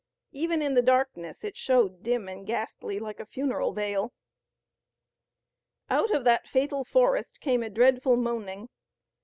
Even in the darkness it showed dim and ghastly like a funeral veil. Out of that fatal forest came a dreadful moaning.